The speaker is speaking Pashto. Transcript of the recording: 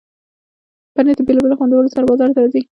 پنېر د بیلابیلو خوندونو سره بازار ته راځي.